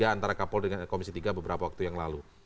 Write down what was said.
antara kapol dengan komisi tiga beberapa waktu yang lalu